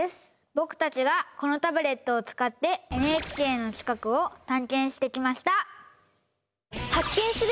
僕たちがこのタブレットを使ってＮＨＫの近くを探検してきました！